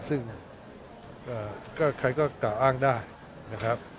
ซึ่งก็ใครก็กล่าวอ้างได้นะครับ